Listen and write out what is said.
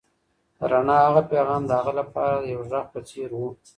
د رڼا هغه پيغام د هغه لپاره د یو غږ په څېر و.